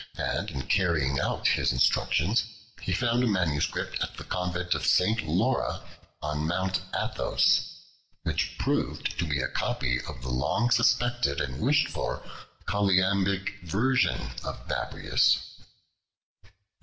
and in carrying out his instructions he found a MS. at the convent of St. Laura, on Mount Athos, which proved to be a copy of the long suspected and wished for choliambic version of Babrias.